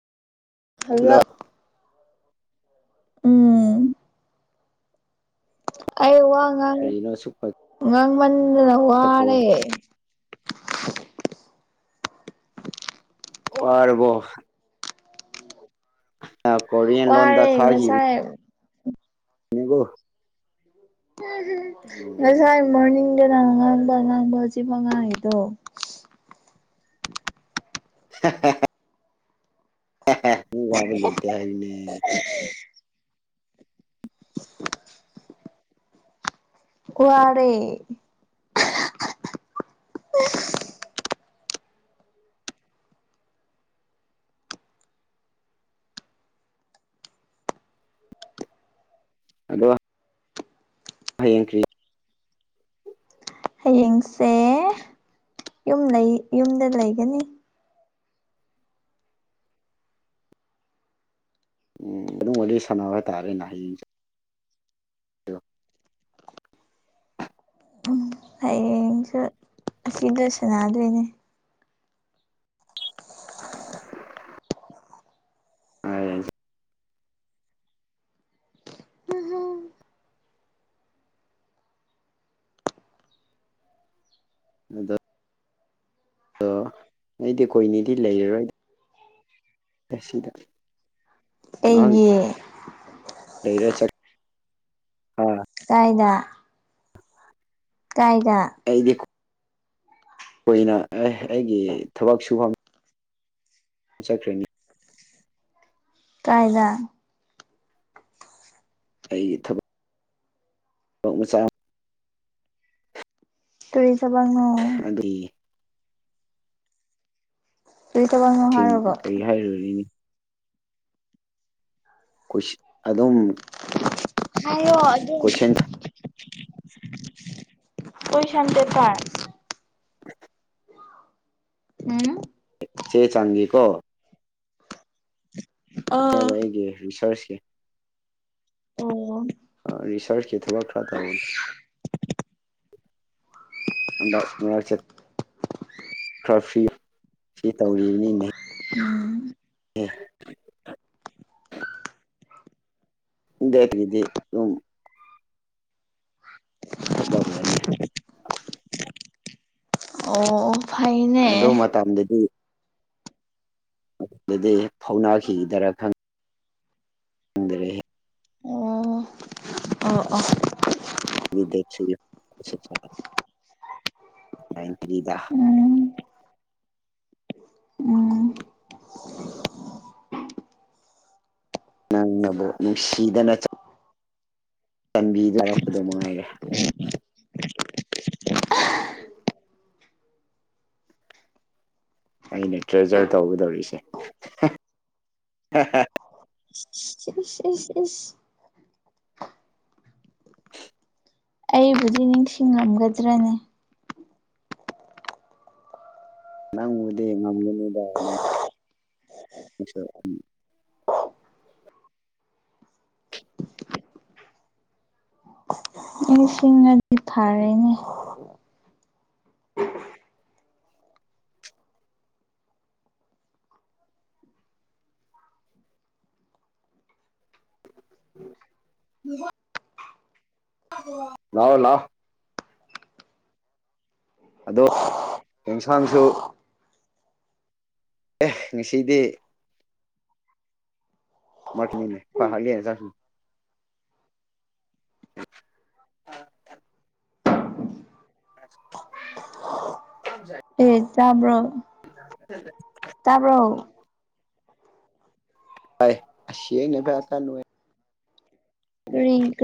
ꯑꯗꯨꯒ ꯍꯜꯂꯣ ꯎꯝ ꯑꯩ ꯋꯥ ꯉꯥꯡ ꯀꯔꯤꯅꯣ ꯁꯨꯛ ꯉꯥꯡꯃꯟꯗꯅ ꯄꯥꯏꯈꯠꯄ ꯋꯥꯔꯦ ꯑꯣꯏꯔꯔꯕꯣ ꯀꯣꯔꯤꯌꯦꯟ ꯂꯣꯟꯗ ꯋꯥꯔꯦ ꯊꯥꯔꯈꯤꯕ ꯉꯁꯥꯏ ꯌꯦꯉꯣ ꯎ ꯎꯝ ꯉꯁꯥꯏ ꯃꯣꯔꯅꯤꯡꯗꯅ ꯑ ꯉꯥꯡꯕ ꯉꯥꯡꯕ ꯑꯁꯤꯕ ꯉꯥꯡꯉꯗꯣ ꯍ ꯋꯥꯕ ꯂꯩꯇ ꯍꯥꯏꯅꯦ ꯀꯋꯥꯔꯦ ꯑꯗꯣ ꯍꯌꯦꯡ ꯀ꯭ꯔꯤ ꯍꯤꯡꯁꯦ ꯌꯨꯝ ꯂꯩ ꯌꯨꯝꯗ ꯂꯩꯒꯅꯤ ꯎꯝ ꯑꯗꯨ ꯑꯣꯏ ꯁꯥꯟꯅꯕ ꯍꯥꯏ ꯇꯥꯔꯦꯅꯦ ꯍꯌꯦꯡꯁꯦ ꯣ ꯁꯨꯗ ꯁꯅꯥꯗꯅꯦ ꯑ ꯑꯗꯣ ꯑꯗꯣ ꯑꯩꯗꯤ ꯀꯣꯏꯅꯤꯗꯤ ꯂꯩꯔꯔꯣꯏ ꯇꯁꯤꯗ ꯃꯥꯥꯡ ꯑꯩꯒꯤ ꯂꯩꯔꯦ ꯆꯠ ꯑꯥ ꯀꯥꯏꯅ ꯀꯥꯏꯗ ꯑꯩꯗꯤ ꯀꯨꯏꯅ ꯑ ꯑꯩꯒꯤ ꯊꯕꯛ ꯁꯨꯐꯝ ꯆꯠꯈ꯭ꯔꯅꯤ ꯀꯥꯏꯗ ꯑꯩꯒꯤ ꯊꯕꯛ ꯊꯕꯛ ꯃꯆꯥ ꯀꯔꯤ ꯊꯕꯛꯅꯣ [unintelligible] ꯀꯔꯤ ꯊꯕꯛꯅꯣ ꯁꯤꯡ ꯍꯥꯏꯔꯒ ꯀꯔꯤ ꯍꯥꯏꯔꯨꯔꯤꯅꯤ [unintelligible] ꯑꯗꯨꯝ [unintelligible] ꯍꯥꯏꯌꯣ ꯑꯗꯨꯝ ꯀꯣꯏꯁꯟ ꯀꯣꯏ [unintelligible] ꯑꯝ ꯆꯦ ꯆꯥꯡꯒꯤ ꯀꯣ ꯑꯥ ꯅꯦꯕ ꯑꯩꯒꯤ ꯔꯤꯁꯔꯁꯀꯤ ꯑꯣ ꯑ ꯔꯤꯁꯔꯁꯀꯤ ꯊꯕꯛ ꯈꯔ ꯇꯧꯕꯅꯤ ꯍꯟꯗꯛ ꯃꯔꯛꯁꯦ ꯈꯔ ꯐ꯭ꯔꯤ [unintelligible] ꯇꯧꯔꯤꯅꯤꯅꯦ [unintelligible] ꯎꯝ ꯑꯦ [unintelligible] ꯊꯛꯄ ꯑꯣꯏꯔꯅꯤ [unintelligible] ꯑꯣ ꯑꯗꯨ ꯐꯩꯅꯦ ꯃꯇꯝꯗꯗꯤ ꯑꯗꯨꯗꯤ ꯐꯥꯎꯅꯥꯈꯤꯗꯔ ꯈꯪ ꯑꯣ ꯑꯣ ꯑꯣ [unintelligible] ꯎꯝ ꯎꯝ ꯅꯪꯅꯕꯨ ꯅꯨꯡꯁꯤꯗꯅ ꯇꯟꯕꯤꯗꯔꯛꯄꯗꯣ ꯅꯨꯡꯉꯥꯏꯔꯦ [unintelligible] ꯑꯩꯅ ꯇ꯭ꯔꯦꯖꯔ ꯇꯧꯒꯗꯧꯔꯤꯁꯦ [unintelligible] [inaudible] ꯏꯁ ꯏꯁ ꯏꯁ ꯑꯩꯕꯨꯗꯤ ꯅꯤꯡꯁꯤꯡꯉꯝꯒꯗ꯭ꯔꯅꯦ ꯅꯪꯕꯨꯗꯤ ꯉꯝꯒꯅꯤꯗ ꯑꯗꯨꯝ [unintelligible] ꯊꯥꯔꯦꯅꯦ [unintelligible] ꯂꯥꯎ ꯂꯥꯎ ꯑꯗꯣ ꯑꯦꯟꯁꯥꯡꯁꯨ ꯑꯦ ꯉꯁꯤꯗꯤ ꯃꯥꯀꯤꯅꯤꯅꯦ [unintelligible] [unintelligible] [unintelligible] ꯑꯦ ꯆꯥꯕ꯭ꯔꯣ [unintelligible] [unintelligible] ꯀꯔꯤ